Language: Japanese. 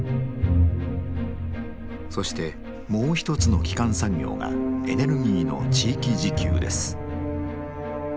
そしてもう一つの基幹産業がエネルギーの地域自給です。